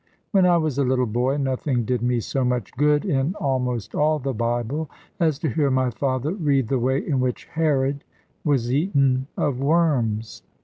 When I was a little boy, nothing did me so much good in almost all the Bible, as to hear my father read the way in which Herod was eaten of worms.